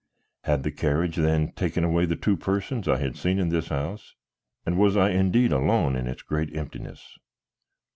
Had the carriage then taken away the two persons I had seen in this house, and was I indeed alone in its great emptiness?